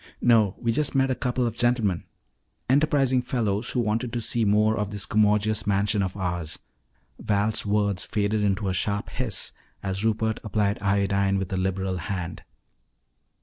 No, we just met a couple of gentlemen enterprising fellows who wanted to see more of this commodious mansion of ours " Val's words faded into a sharp hiss as Rupert applied iodine with a liberal hand.